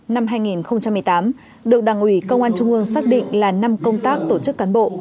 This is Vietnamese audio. năm hai nghìn một mươi tám được đảng ủy công an trung ương xác định là năm công tác tổ chức cán bộ